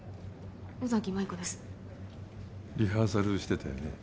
尾崎舞子ですリハーサルしてたよね？